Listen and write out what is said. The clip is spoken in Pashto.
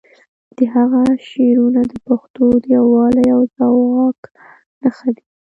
د هغه شعرونه د پښتو د یووالي او ځواک نښه دي.